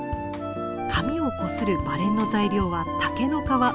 紙をこするバレンの材料は竹の皮。